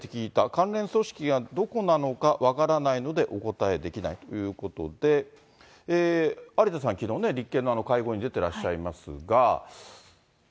関連組織がどこなのか分からないので、お答えできないということで、有田さん、きのう、立憲の会合に出てらっしゃいますが。